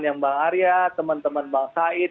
yang bang arya teman teman bang said